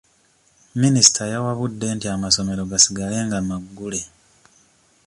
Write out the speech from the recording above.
Minisita yawabudde nti amasomero gasigale nga maggule.